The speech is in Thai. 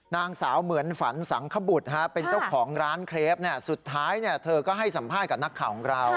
นางสาวเหมือนฝันสังขบุตรเป็นเจ้าของร้านเครปสุดท้ายเธอก็ให้สัมภาษณ์กับนักข่าวของเรา